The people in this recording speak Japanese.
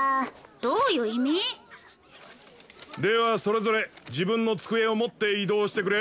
どういう意味？ではそれぞれ自分の机を持って移動してくれ。